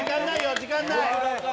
時間ない。